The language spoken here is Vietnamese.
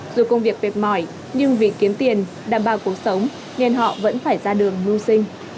dù công việc mệt mỏi nhưng vì kiếm tiền đảm bảo cuộc sống nên họ vẫn phải ra đường mưu sinh